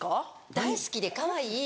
大好きでかわいい。